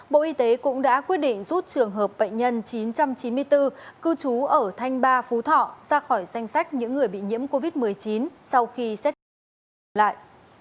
bộ y tế cũng đã quyết định rút trường hợp bệnh nhân chín trăm chín mươi bốn cư trú ở thanh ba phú thọ ra khỏi danh sách những người bị nhiễm covid một mươi chín sau khi xét nghiệm và lại